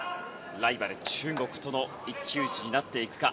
ライバル、中国との一騎打ちになっていくか。